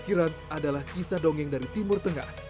kisah dongeng dari timur tengah